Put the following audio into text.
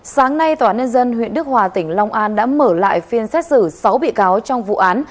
sáng nay tòa án nhân dân huyện đức hòa tỉnh long an đã mở lại phiên xét xử sáu bị cáo trong vụ án